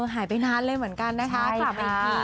หายไปนานเลยเหมือนกันนะคะกลับมาอีกที